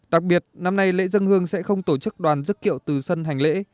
đặc biệt năm nay lễ dân hương sẽ không tổ chức đoàn dứt kiệu từ sân hành lễ